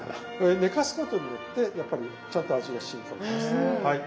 ねかすことによってやっぱりちゃんと味がしみこむんですはい。